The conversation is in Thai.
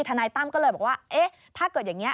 นายตั้มก็เลยบอกว่าเอ๊ะถ้าเกิดอย่างนี้